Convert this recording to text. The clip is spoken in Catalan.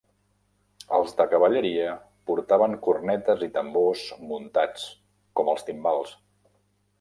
Els de cavalleria portaven cornetes i tambors muntats, com els timbals.